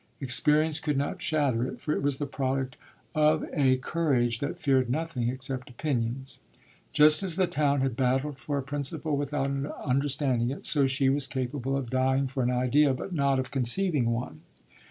Experience could not shatter it, for it was the product of a courage that feared nothing except opinions. Just as the town had battled for a principle without understanding it, so she was capable of dying for an idea, but not of conceiving one.